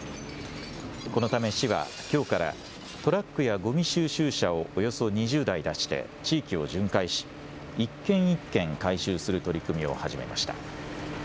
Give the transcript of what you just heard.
このため、市はきょうからトラックやごみ収集車をおよそ２０台出して、地域を巡回し、一軒一軒回収する取り組みを始めました。